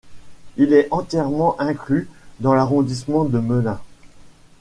Il est entièrement inclus dans l'arrondissement de Melun.